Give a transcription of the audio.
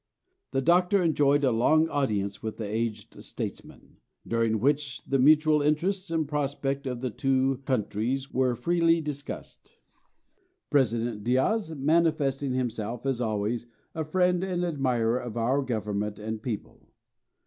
The Doctor enjoyed a long audience with the aged statesman, during which the mutual interests and prospects of the two countries were freely discussed, President Diaz manifesting himself, as always, a friend and admirer of our government and people.